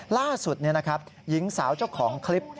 ล่าสุดหญิงสาวเจ้าของคลิป